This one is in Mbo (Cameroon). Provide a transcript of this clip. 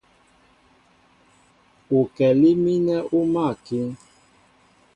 Ukɛlí mínɛ́ ú máál a kíŋ.